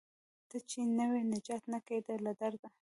ته چې نه وې نجات نه کیده له درده